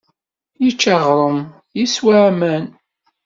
Yečča aɣrum, yeswa aman.